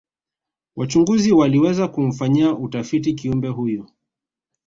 wachunguzi waliweza kumfanyia utafiti kiumbe huyu